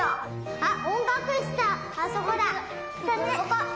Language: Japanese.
あっ。